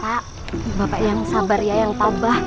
pak bapak yang sabar ya yang tabah